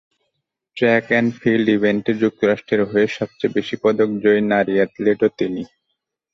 Track and field ইভেন্টে যুক্তরাষ্ট্রের হয়ে সবচেয়ে বেশি পদকজয়ী নারী অ্যাথলেটও তিনি।